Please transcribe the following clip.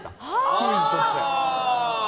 クイズとして。